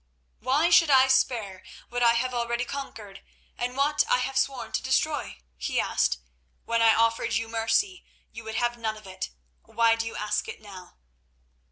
"Why should I spare what I have already conquered, and what I have sworn to destroy?" he asked. "When I offered you mercy you would have none of it. Why do you ask it now?"